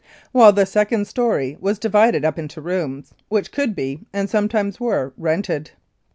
while the second story was divided up into rooms which could be, and sometimes were, rented.